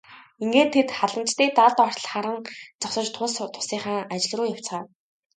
Ингээд тэд хадланчдыг далд ортол харан зогсож тус тусынхаа ажил руу явцгаав.